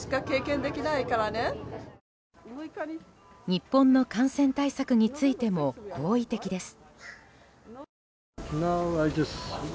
日本の感染対策についても好意的です。